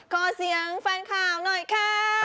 ขอเสียงแฟนข่าวหน่อยค่ะ